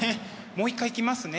もう一回いきますね。